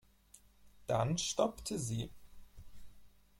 Dann stoppte sie.